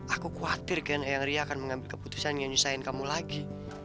aku khawatir kan yang ria akan mengambil keputusan yang nyusahin kamu lagi